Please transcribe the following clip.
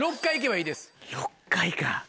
６回か。